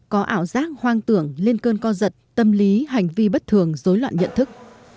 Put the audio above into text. có ảo giác hoang tưởng lên cơn co giật tâm lý hành vi bất thường dối loạn nhận thức